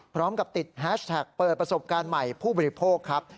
พร้อมกับติดแฮชแท็กเปิดประสบการณ์ใหม่ผู้บริโภคครับ